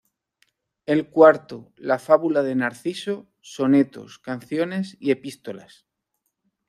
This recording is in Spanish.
El cuarto, la "Fábula de Narciso", sonetos, canciones y epístolas.